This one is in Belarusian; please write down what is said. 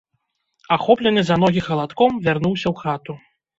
Ахоплены за ногі халадком, вярнуўся ў хату.